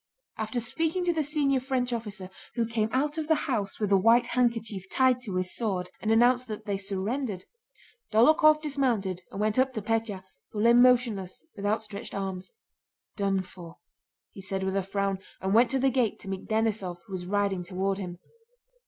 After speaking to the senior French officer, who came out of the house with a white handkerchief tied to his sword and announced that they surrendered, Dólokhov dismounted and went up to Pétya, who lay motionless with outstretched arms. "Done for!" he said with a frown, and went to the gate to meet Denísov who was riding toward him.